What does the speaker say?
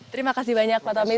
terima kasih banyak pak tamil